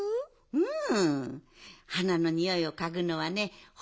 うん！